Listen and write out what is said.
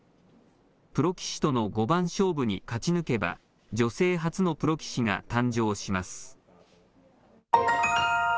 プロ棋士との五番勝負に勝ち抜けば女性初のプロ棋士が誕生します。